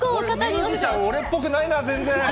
ミュージシャン、俺っぽくないな、全然。